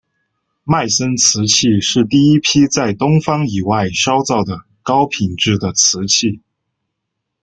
迈森瓷器是第一批在东方以外烧造的高品质的瓷器。